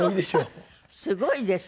すごいですね。